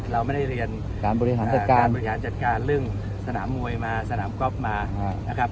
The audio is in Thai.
เราไม่ได้เรียนการบริหารจัดการเรื่องสนามมวยมาสนามก็อปมานะครับ